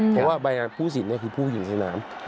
เพราะว่าใบแดงงานผู้สินเนี่ยคือผู้หญิงทะนาม